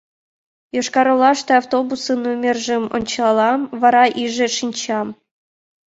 — Йошкар-Олаште автобусын номержым ончалам, вара иже шинчам.